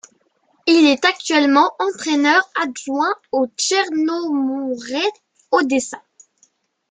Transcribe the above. Il est actuellement entraîneur adjoint au Tchernomorets Odessa.